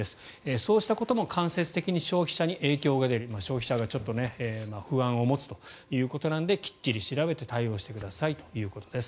そうしたことも間接的に消費者に影響が出る消費者がちょっと不安を持つということなのできっちり調べて対応してくださいということです。